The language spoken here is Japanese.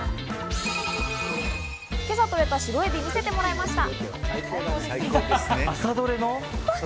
今朝取れた白エビを見せてもらいました。